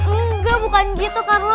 enggak bukan gitu carlo